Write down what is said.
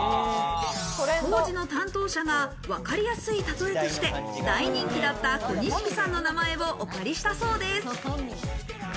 当時の担当者がわかりやすい例えとして、大人気だった小錦さんの名前をお借りしたそうです。